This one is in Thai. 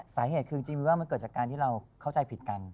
สาเหตุคือจริงมันว่ามันเกิดจากการที่เราเข้าใจผิดกัน